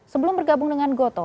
sebelum bergabung dengan goto